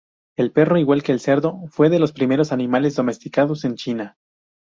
El perro, igual que el cerdo fue de los primeros animales domesticados en China.